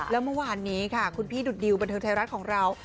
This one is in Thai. แล้วเมื่อวานนี้ค่ะคุณพี่ดุดดิวบันเทิงไทยรัฐของเรา